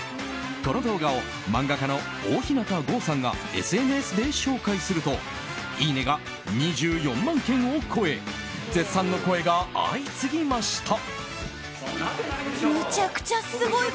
この動画を漫画家のおおひなたごうさんがＳＮＳで紹介するといいねが２４万件を超え絶賛の声が相次ぎました。